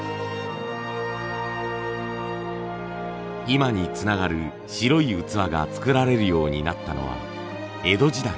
今につながる白い器が作られるようになったのは江戸時代。